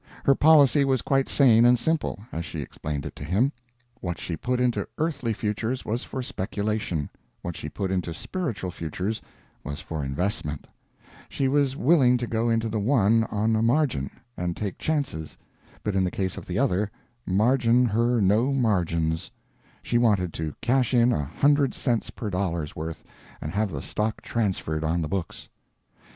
Her policy was quite sane and simple, as she explained it to him: what she put into earthly futures was for speculation, what she put into spiritual futures was for investment; she was willing to go into the one on a margin, and take chances, but in the case of the other, "margin her no margins" she wanted to cash in a hundred cents per dollar's worth, and have the stock transferred on the books.